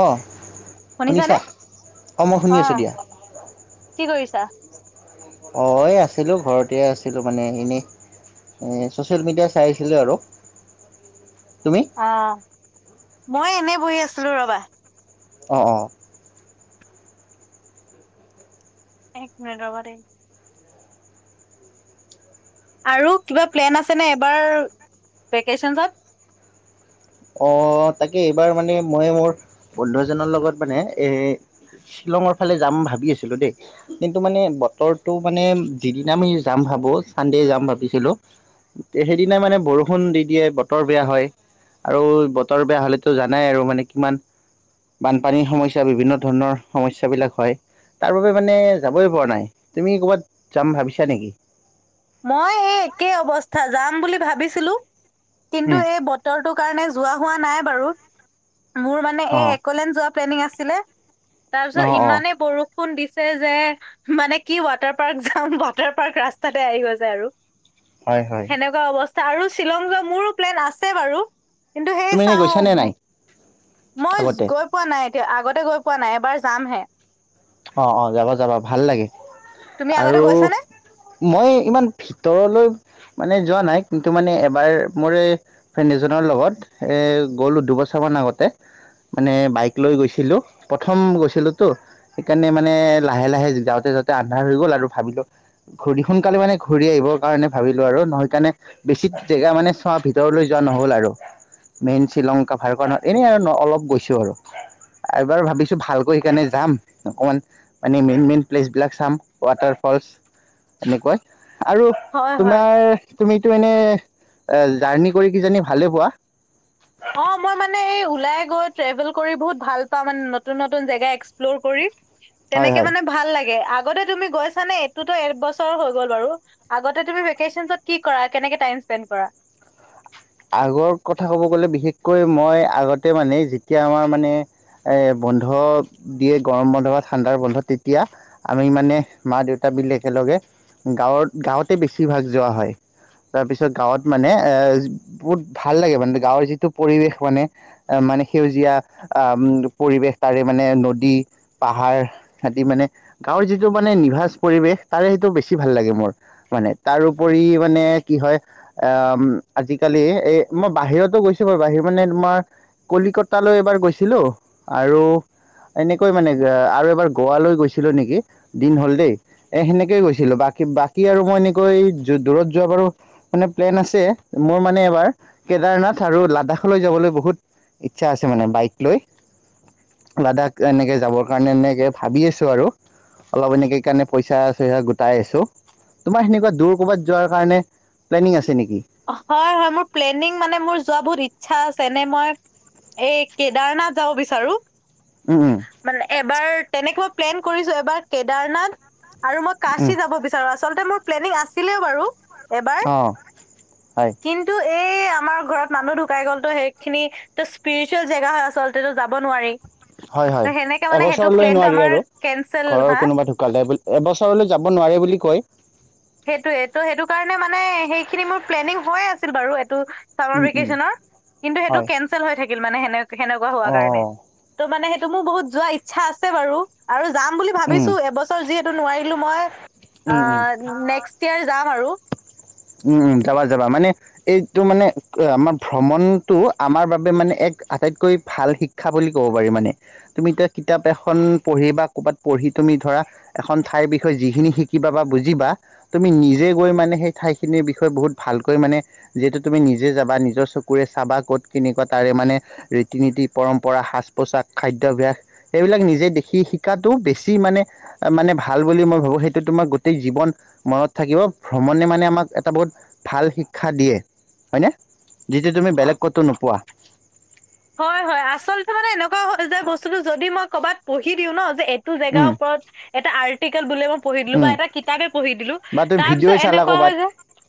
অ শুনিছানে? শুনিছা অ মই শুনি আছো দিয়া কি কৰিছা অ এই আছিলো ঘৰতে আছিলো মানে এনেই এ ছ'চিয়েল মিডিয়া চাই আছিলো আৰু তুমি অ মই এনেই বহি আছিলো ৰবা অ অ এক মিনিট ৰবা দেই আৰু কিবা প্লেন আছেনে এবাৰ ভেকেশ্যনছত অ তাকে এইবাৰ মানে মই মোৰ বন্ধু এজনৰ লগত মানে এ শ্বিলঙৰ ফালে যাম ভাবি আছিলো দেই কিন্তু মানে বতৰটো মানে যিদিনা আমি যাম ভাবো চানদে যাম ভাবিছিলো সেইদিনা মানে বৰষুণ দি দিয়ে বতৰ বেয়া হয় আৰু বতৰ বেয়া হলেতো জানাই আৰু মানে কিমান বানপানীৰ সমস্যা বিভিন্ন ধৰণৰ সমস্যাবিলাক হয় তাৰ বাবে মানে যাবই পৰা নাই তুমি ক'ৰবাত যাম ভাবিছা নেকি মই এই একেই অৱস্থা যাম বুলি ভাবিছিলো কিন্তু উম। এই বতৰটো কাৰণে যোৱা হোৱা নাই বাৰু মোৰ মানে এই অ', একোয়েলেনতত পেল্লিং আছিলে তাৰপিছত অ', অ', ইমানে বৰষুণ ফোন দিছে যে মানে কি ৱাটাৰ পাৰ্ক যাম ৱাটাৰ পাৰ্ক ৰাস্তাত তে আহি গৈ যায় আৰু হয় হয় তেনেকুৱা অৱস্থা আৰু শ্বিলং যোৱা মোৰো প্লেন আছে বাৰু কিন্তু তুমি সেই এনেই চাওঁ গৈছানে নাই মই আগতে? গৈ পোৱা নাই এতিয়া আগতে গৈ পোৱা নাই এবাৰ যামহে অঁ অঁ যাব যাব ভাল লাগে তুমি আগতে আৰু গৈছানে? মই ইমান ভিতৰলৈ মানে যোৱা নাই কিন্তু মানে এবাৰ মৰে ফ্ৰেণ্ড এজনৰ লগত এ গ'লো দুবছৰ মান আগতে মানে বাইক লৈ গৈছিলোঁ প্ৰথম গৈছিলোঁতো সেইকাৰণে মানে লাহে লাহে যাওঁতে যাওঁতে আন্ধাৰ হৈ গল আৰু ভাবিলো ঘূৰি সোনকালে মানে ঘূৰি আহিবৰ কাৰণে ভাবিলো আৰু নহেই কাৰণে বেছি জেগা মানে চোৱা ভিতৰলৈ যোৱা নহল আৰু মেইন শ্ৰীলংকা ভাৰকত এনেই আৰু অলপ গৈছো আৰু এবাৰ ভাবিছো ভালকৈ সেইকাৰণে যাম অকণমান মানে মেইন মেইন প্লেচবিলাক চাম ৱাটাৰ ফলচ এনেকৱৈ আৰু হয় হয়। তোমাৰ তুমিতো এনে জাৰ্ণি কৰি কিজানি ভালে পোৱা অ মই মানে এই ওলাই গৈ ট্ৰেভেল কৰি বহুত ভাল পাওঁ মানে নতুন নতুন জেগা এক্সপ্ল'ৰ কৰি হয় তেনেকে হয় মানে ভাল লাগে আগতে তুমি গৈছানে এইটোতো এবছৰ হৈ গ'ল বাৰু আগতে তুমি ভেকেশচনতচত কি কৰা কেনেকে টাইম স্পেণ্ড কৰা আগৰ কথা ক'ব গ'লে বিশেষকৈ মই আগতে মানে যেতিয়া আমাৰ মানে এই বন্ধ দিয়ে গৰম বন্ধ বা ঠাণ্ডাৰ বন্ধ তেতিয়া আমি মানে মা দেউতা মিলি একেলগে গাঁৱত গাঁৱতে বেছিভাগ যোৱা হয় তাৰ পিছত গাঁৱত মানে এ বহুত ভাল লাগে মানে গাঁৱৰ যিটো পৰিৱেশ মানে মানে সেউজীয়া আহ পৰিৱেশ তাৰে মানে নদী পাহাৰ আদি মানে গাঁৱৰ যিটো মানে নিভাঁজ পৰিৱেশ তাৰে সেইটো বেছি ভাল লাগে মোৰ মানে তাৰোপৰি মানে কি হয় আহ আজি কালি এ মই বাহিৰতো গৈছো বাৰু বাহিৰত মানে তোমাৰ কলিকতালৈ এবাৰ গৈছিলোঁ আৰু এনেকৈ মানে আৰু এবাৰ গোৱালৈ গৈছিলোঁ নেকি দিন হ'ল দেই এ সেনেকেই গৈছিলো বাকী বাকী আৰু মই এনেকৈ দূৰত যোৱা বাৰু মানে প্লেন আছে মোৰ মানে এবাৰ কেদাৰনাথ আৰু লাডাখলৈ যাবলৈ বহুত ইচ্ছা আছে মানে বাইক লৈ লাডখ এনেকে যাবৰ কাৰণে এনেকে ভাবি আছো আৰু অলপ এনেকেই কাৰণে পইচা চইচা গোটাই আছো তোমাৰ সেনেকুৱা দূৰ ক'ৰবাত যোৱাৰ কাৰণে প্লেনিং আছে নেকি হয় হয় মোৰ প্লেনিং মানে মোৰ যোৱা বহুত ইচ্ছা আছে এনে মই এই কেদাৰনাথ যাব বিচাৰো উম উম মানে এবাৰ তেনেকে মই প্লেন কৰিছো এবাৰ কেদাৰনাথ আৰু মই উম কাশি যাব [unintelligible] অ হয় কিন্তু এই আমাৰ ঘৰত মানুহ ঢুকাই গ'লতো সেইখিনি ত স্পিৰিচুৱেল জেগা হয় আচলতেটো যাব নোৱাৰি হয় তো হয় সেনেকে মানে সেইটো এবছৰলৈ প্লেনটো নোৱাৰি আমাৰ আৰু কেনচেল ঘৰৰ হা কোনোবা ঢুকালে বুলি এবছৰলৈ যাব নোৱাৰে বুলি কয় সেইটোয়ে ত' সেইটো কাৰণে মানে সেইখিনি মোৰ প্লেনিং হৈয়ে আছিল বাৰু এইটো চামাৰ উম উম ভেকেচনৰ কিন্তু সেইটো হয় কেঞ্চেল হৈ থাকিল মানে সেনে সেনেকোৱা হোৱাৰ কাৰণে অঁ ত' মানে সেইটো মোৰ বহুত যোৱা ইচ্ছা আছে বাৰু আৰু যাম বুলি উম ভাবিছো এব ছৰ যিহেতু নোৱাৰিলো মই উম উম আহ নেক্সট ইয়াৰ যাম আৰু উম উম যাবা যাবা মানে এইটো মানে আমাৰ ভ্ৰমণতোআমাৰ বাবে মানে এক আটাইতকৈ ভাল শি ক্ষা বুলি ক'ব পাৰি মানে তুমি এতিয়া কিতাপ এখন পঢ়ি বা ক'বাত পঢ়ি তুমি ধৰা এখন ঠাইৰ বিষয়ে যিখিনি শি কিবা বা বুজিবা তুমি নিজে গৈ মানে সেই ঠাইখিনিৰ বিষয়ে বহুত ভালকৈ মানে যিহেতু তুমি নিজে যাবা নিজৰ চকুৰে চাবা ক'ত কেনেকোৱা তাৰে মানে ৰীতি- নীতি, পৰম্পৰা সাজ -পোচাক, খাদ্যভ্যাস সেইবিলাক নিজে দেখি শিকাতো বেছি মানে মানে ভাল বুলি মই ভাবো সেই তোমাৰ গোটেই জীৱন মনত থাকিব ভ্ৰমণে মানে আমাক এটা বহুত ভাল শিক্ষা দিয়ে হয়নে যিটো তুমি বেলেগ ক'তো নোপোৱা হয় হয় আচলতে মানে এনেকোৱা যে বস্তুটো যদি মই ক'ৰবাত পঢ়ি দিও ন যে এইটো জেগাৰ উম ওপৰত এটা আৰ্টিকেল বুলি মই পঢ়ি দিলো বা উম এটা কিতাপে পঢ়ি দিলো বা তুমি তাৰ পিছত ভিডিঅ'ই চালা এনেকোৱা হয় ক'ৰবাত যে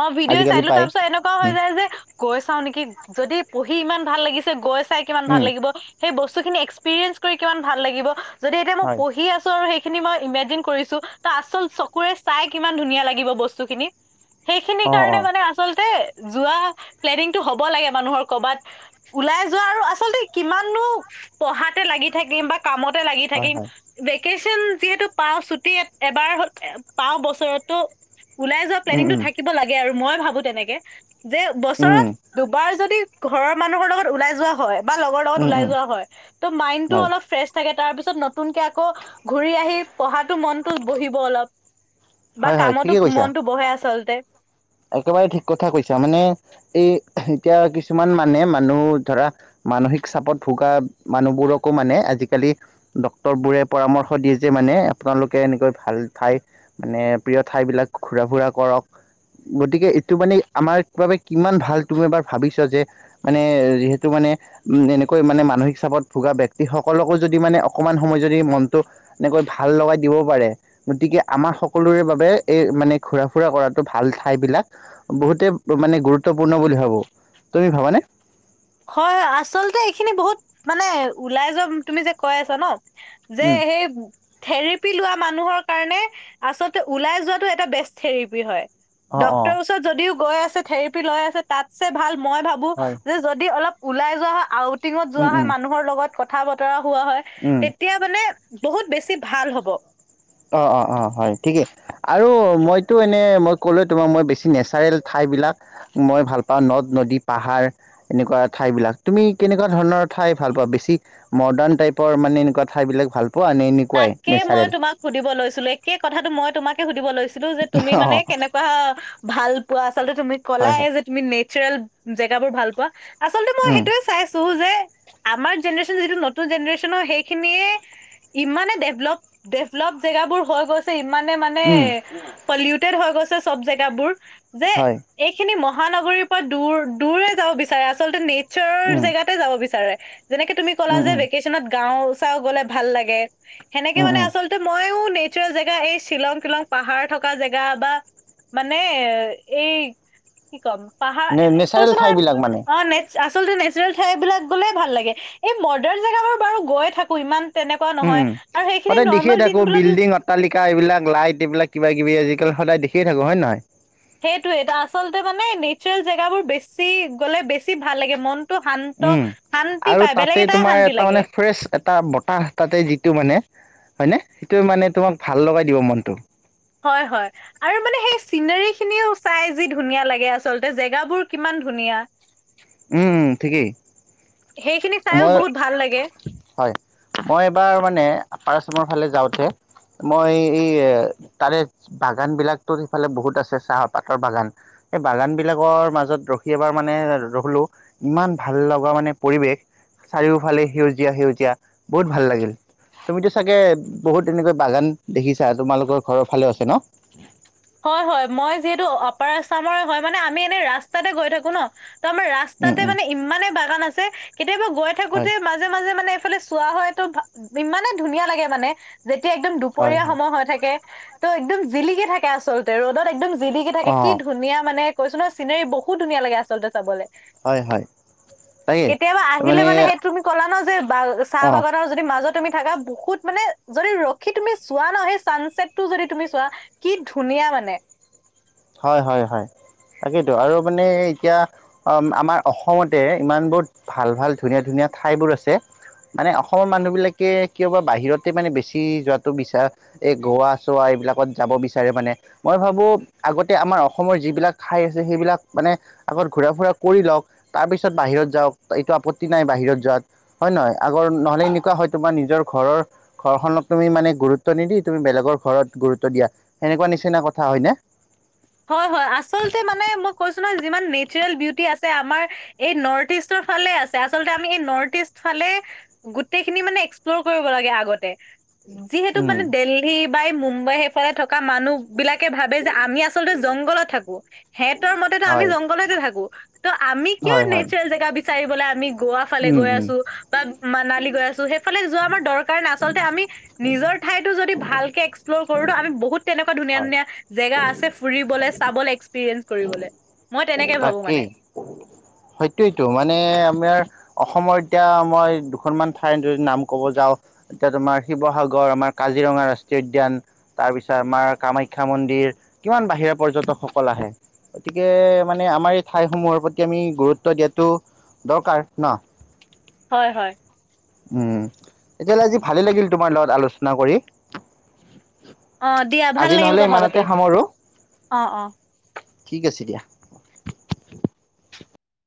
অ ভিডিঅ' চাই আজিকালি দিলো পাই তাৰপিছত এনেকোৱা হৈ উম যায় যে গৈ চাও নেকি যদি পঢ়ি ইমান ভাল লাগিছে গৈ চাই কিমান ভাল উম লাগিব সেই বস্তুখিনি এক্সপিৰিয়েন্ঞ্চ কৰি কিমান ভাল লাগিব যদি এতিয়া মই হয় পঢ়ি আছো আৰু সেই খিনি মই ইমেজিন কৰিছো ত আচল চকুৰে চাই কিমান ধুনীয়া লাগিব বস্তুখিনি সেইখিনিৰ অ কাৰণে অ মানে আচলতে যোৱা প্লেনিংটো হ'ব লাগে মানুহৰ কৰবাত ওলাই যোৱা আৰু আচলতে কিমাননো পঢ়াতে লাগি থাকিম বা কামতে লাগি হয় থাকিম হয় ভেকেশচন যিহেতু পাও ছুটি এবাৰ পাও বছৰতো ওলাই যোৱা উম প্লেনিংটো উম থাকিব লাগে আৰু মই ভাবো তেনেকে যে উম বছৰত দুবাৰ যদি ঘৰৰ মানুহৰ লগত ওলাই যোৱা হয় বা লগৰ লগত উম লাই উম যোৱা হয় ত মাইণ্ডটো হয় অলপ ফ্ৰেচ থাকে তাৰপিছত নতুনকে আকৌ ঘূৰি আহি পঢ়াতো মনতো বহিব অলপ বা হয় হয় কামতো ঠিকে কৈছা মনটো বহে আচলতে একেবাৰে ঠিক কথা কৈছা মানে এই এতিয়া কিছুমান মানে মানুহ ধৰা মানসিক চাপত ভোগা মানুহবোৰকো মানে আজিকালি ডক্তৰবোৰে পৰামৰ্শ দিয়ে যে মানে আপোনালোকে এনেকৈ ভাল ঠাই মানে প্ৰিয় ঠাইবিলাক ঘূৰা ফুৰা কৰক গতিকে এইটো মানে আমাৰ বাবে কিমান ভাল তুমি এবাৰ ভাবিছ যে মানে যিহেতু মানে উম এনেকৈ মানে মানসিক চাপত ভোগা ব্যক্তিসকলকো যদি মানে অকমান সময় যদি মনটো এনেকৈ ভাল লগাই দিব পাৰে গতিকে আমাৰ সকলোৰে বাবে এই মানে ঘুৰা ফুৰা কৰাতো ভাল ঠা ঠাই বিলাক বহুতে মানে গুৰুত্বপূৰ্ণ বুলি ভাবো তুমি ভাবানে হয় আচলতে এইখিনি বহুত মানে ওলাই যোৱা তুমি যে কৈ আছা ন যে উম সেই থেৰাপি লোৱা মানুহৰ কাৰণে আচলতে ওলাই যোৱাতো এটা বেষ্ট থেৰেপি হয় অ অ ডক্টৰ ওচৰত যদিও গৈ আছে, থেৰেপি লৈ আছে তাতছে ভাল মই ভাবো হয়। যে য দি অলপ ওলাই যোৱা হয়, আউটিঙত উম যোৱা হয়, উম মানুহৰ লগত কথা- বতৰা হোৱা হয়। উম তেতিয়া মানে, বহুত বেছি ভাল হ'ব। অঁ, অঁ অঁ হয়, ঠিকেই আৰু মইতো এনেই মই ক'লোৱে তোমাক মই বেছি নেচাৰেল ঠাইবিলাক মই ভাল পাওঁ। নদ-নদী পাহাৰ এনেকুৱা ঠাইবিলাক। তুমি কেনেকুৱা ধৰণৰ ঠাই ভাল পোৱা বেছি মৰ্ডাণ টাইপৰ মানে, এনেকুৱা ঠাইবিলাক ভাল পোৱা নে এনে তাকে মই তোমাক সুধিব লৈছিলো। একে কথাটো মই তোমাকে সুধিব লৈছিলো যে তুমি অ মানে কেনে কোৱা ভাল পোৱা। আচলতে তুমি হয় ক'লাই হয় যে, তুমি নেচাৰেল জেগাবোৰ ভাল পোৱা। আচলতে মই উম সেইটোৱে চাই আছো যে, আমাৰ জেনেৰেচন যিটো নতুন জেনেৰেচনৰ সেইখিনিয়ে ইমানে ডেভলপ, ডেভলপ জেগাবোৰ হৈ গৈছে। ইমানে মানে, উম পলিউটেড হৈ গৈছে চব জেগাবোৰ যে হয়। এইখিনি মহানগৰীৰ পৰা দূৰ, দূৰে যাব বিচাৰে আচলতে নেচাৰৰ উম জেগাত্ তে যাব বিচাৰে। যেনেকে তুমি ক'লা উম যে উম ভেকেচনত গাওঁ-চাওঁ গ'লে ভাল লাগে। সেনেকে উম মানে, উম আচলতে মইও নেচাৰেল জেগা এই শ্বিলং-তিলং পাহাৰ থকা জেগা বা মানে এই কি কম? পাহা নে নেচাৰেল কৈছো নহয় ঠাইবিলাক মানে অঁ নে চা আচলতে নেচাৰেল ঠাই বিলাক গ'লে ভাল লাগে। এই মডাৰ্ণ জেগাবোৰ বাৰু গৈ থাকো ইমান তেনেকুৱা উম নহয়। উম আৰু সেইখিনি সদায় দেখিয়ে নৰ্মেল থাকো দিনবোৰত বিল্ডিঙ, অ ট্টালিকা এইবিলাক লাইট এইবিলাক কিবা-কিবি আজিকালি সদায় দেখিয়ে থাকো হয় নহয়? সেইটোৱেটো আচলতে মানে নেচাৰেল জেগাবোৰ বেছি, গ'লে বেছি ভাল লাগে মন টো শান্ত, উম শান্তি আৰু পায়, তাতে বেলেগ এটাই তোমাৰ শান্তি এটা মানে লাগে। ফ্ৰেছ এটা বতাহ তাতে যিটো মানে, হয়নে? সেইটোৱে মানে তোমাক ভাল লগাই দিব মনটো। হয়, হয়। আৰু মানে সেই চিনেৰীখিনিও চাই যি ধুনীয়া লাগে আচলতে, জেগাবোৰ কিমান ধুনীয়া। [inaudible] উম, উম ঠিকেই। সেইখিনি চাইও মই বহুত ভাল লাগে হয়, মই এবাৰ মানে, আপাৰ আচামৰ ফালে যাওঁতে মই এই তাৰে বাগান বিলাকতো সেইফালে বহুত আছে চাহৰ, পাতৰ বাগান। এই বাগান বিলাকৰ মাজত ৰখি এবাৰ মানে ৰ'লো, ইমান ভাল লগা মানে পৰিৱেশ। চাৰিওফালে সেউজীয়া, সেউজীয়া বহুত ভাল লাগিল। তুমিটো চাগে, বহুত এনেকৈ বাগান দেখিছা। তোমালোকৰ ঘৰৰ ফালেও আছে ন '? হয়, হয় মই যিহেতু অ আপাৰ আচামৰে হয়। মানে, আমি এনে ৰাস্তাতে গৈ থাকো ন'? ত' আমাৰ ৰা উম ৰাস্তাতে উম মানে ইমানে বাগান আছে কেতিয়াবা গৈ থাকোতে হয় মাজ মাজে মাজে মানে এইফালে চোৱা হয়টো ভা ইমানে ধুনীয়া লাগে মানে যেতিয়া একদম হয় দুপৰীয়া হয় সময় হৈ থাকে ত' একদম জিলিকি থাকে আচলতে, ৰ'দত একদম জি জিলিকি থাকে। কি অ' ধুনীয়া মানে কৈছো নহয়, চিনেৰী বহুত ধুনীয়া লাগে আচলতে চাবলে। হয় হয় তাকে কেতিয়াবা আহিলে মানে সেই তুমি ক'লা ন' যে বাগ--চাহ অ' বাগানৰ য দি মাজত তুমি থাকা বহুত মানে, যদি ৰখি তুমি চোৱা ন'? সেই চানচেটটো যদি তুমি চোৱা কি ধুনীয়া মানে। হয়, হয় হয়। তাকেইটো আৰু মানে এতিয়া অঁ, আমাৰ অসমতে ইমানবোৰ ভাল ভাল, ধুনীয়া ধুনীয়া ঠাইবোৰ আছে। মানে, অসমৰ মানুহবিলাকে কিয় বা বাহিৰতে মানে বেছি যোৱাটো বিচাৰ এই গোৱা-চোৱা এইবিলাকত যাব বিচাৰে মানে, মই ভাবো আগতে আমাৰ অসমৰ যিবিলাক খাই আছে সেইবিলাক মানে আগত ঘূৰা ফুৰা কৰি লওঁক। তাৰপিছত বাহিৰত যাওঁক এইটো আপত্তি নাই বাহিৰত যোৱাত। হয় নহয় আগৰ নহলে এনেকুৱা হয় তোমাৰ নিজৰ ঘৰৰ ঘৰখনক তুমি মানে গুৰুত্ব নিদি তুমি বেলেগৰ ঘৰত গুৰুত্ব দিয়া সেনেকুৱা নিচিনা কথা হয় নে? হয়, হয় আচলতে মানে মই কৈছো নহয় যিমান মিট চোৰেল বিউটি আছে আমাৰ এই নৰ্থ ইষ্টৰ ফালে আছে। আচলতে আমি এই নৰ্থ ইষ্ট ফালে গোটেইখিনি মানে এক্সপ্লৰ কৰিব লাগে আগতে যিহেতু উম মানে দেলহি বাই মুম্বাই সেইফালে থকা মানুহ বিলাকে ভাবে যে আমি আছ চলতে জংঘলত থাকো হেতৰ মতেতো আমি হয় জংঘলতে থাকো ত আমি কিয় হয় হয় নেচৰেল জেগা বিচ চাৰিবলে আমি গৱা ফালে উম গৈ উম আছো বা মানালী গৈ আছো সেইফালে যোৱা আমাৰ দৰ কাৰণ আচলতে আমি নিজৰ ঠাইতো যদি ভালকে এক্সপ্ল'ৰ কৰো ন আমি বহুত তেনেকুৱা ধুনীয়া হয় ধুনীয়া জেগা আছে ফুৰিবলে চাবলে এক্সপিৰিয়েঞ্চ কৰিবলে মই তেনেকে ভাবো মানে তাকেই সইটোৱেইটো মানে আমাৰ অসমৰ এতিয়া মই দু খনমান ঠাই যদি নাম ক'ব যাওঁ এতিয়া তোমাৰ শিৱসাগৰ আমাৰ কাজিৰঙা ৰাষ্ট্ৰীয় উদ্যান তাৰ পিছত আমাৰ কামাখ্যা মন্দিৰ কিমান বাহিৰা পৰ্যটকসকল আহে গতিকে মানে আমাৰ এই ঠাইসমূহৰ প্ৰতি আমি গুৰুত্ব দিয়াটো দৰকাৰ ন? হয়, হয়। উম তেতিয়াহ'লে আজি ভালেই লাগিল তোমাৰ লগত আলোচনা কৰি অ' দিয়া ভাল আজি লাগিল নহ'লে কথা ইমানতে পাতি সামৰো অ', অ। ঠিক আছে দিয়া